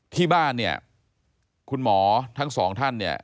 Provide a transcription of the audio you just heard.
ที่บ้านคุณหมอทั้งสองท่าน